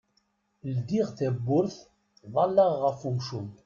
Ldiɣ tabburt, ḍalleɣ ɣef umcum.